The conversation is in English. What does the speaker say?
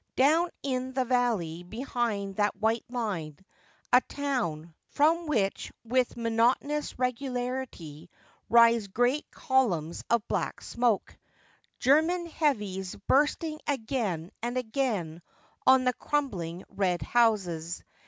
Down in the valley behind that white line a town, from which with monotonous regularity rise great columns of black smoke — German heavies bursting again and again on the crumbling red houses.